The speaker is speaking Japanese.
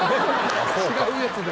違うやつで。